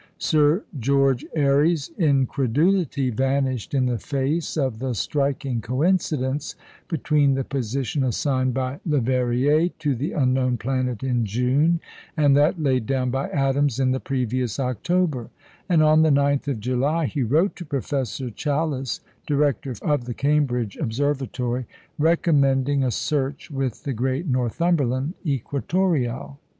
Sir George Airy's incredulity vanished in the face of the striking coincidence between the position assigned by Leverrier to the unknown planet in June, and that laid down by Adams in the previous October; and on the 9th of July he wrote to Professor Challis, director of the Cambridge Observatory, recommending a search with the great Northumberland equatoreal.